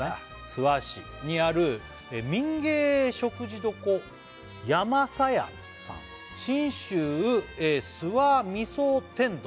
諏訪市「にある民芸食事処やまさやさん」「信州諏訪みそ天丼」